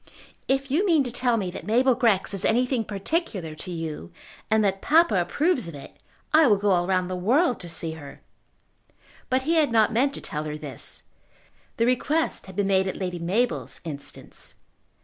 "If you mean to tell me that Mabel Grex is anything particular to you, and that papa approves of it, I will go all round the world to see her." But he had not meant to tell her this. The request had been made at Lady Mabel's instance.